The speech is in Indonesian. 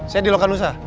saya di lokanusa